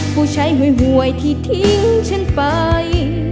ผู้ชายหวยหวยที่ทิ้งฉันไป